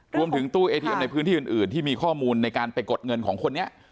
รวมถึงตู้เอทีเอ็มในพื้นที่อื่นที่มีข้อมูลในการไปกดเงินของคนนี้